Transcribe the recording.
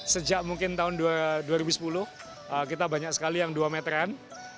sejak mungkin tahun dua ribu sepuluh kita banyak sekali yang dua meteran